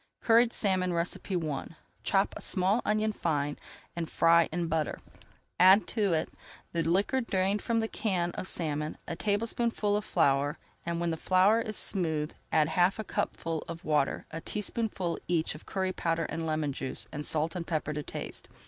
CURRIED SALMON I Chop a small onion fine, and fry brown in butter. Add to it the liquor drained from a can of salmon, and a tablespoonful of flour. When the flour is smooth, add half a cupful of water, a teaspoonful each of curry powder and lemon juice, and salt and pepper to taste.